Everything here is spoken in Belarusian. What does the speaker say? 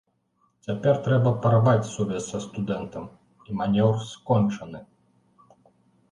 Цяпер трэба парваць сувязь са студэнтам, і манеўр скончаны.